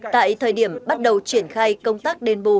tại thời điểm bắt đầu triển khai công tác đền bù